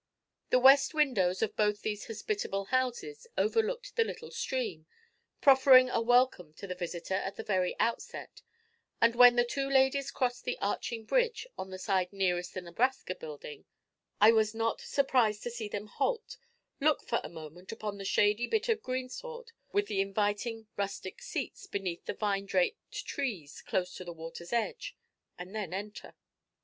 The west windows of both these hospitable houses overlooked the little stream, proffering a welcome to the visitor at the very outset; and when the two ladies crossed the arching bridge on the side nearest the Nebraska Building I was not surprised to see them halt, look for a moment upon the shady bit of greensward with the inviting rustic seats beneath the vine draped trees close to the water's edge, and then enter.